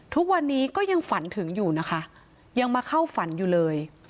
ทุกวันนี้ก็ยังฝันถึงอยู่นะคะยังมาเข้าฝันอยู่เลย